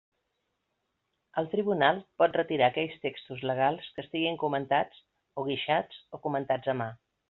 El tribunal pot retirar aquells textos legals que estiguin comentats o guixats o comentats a mà.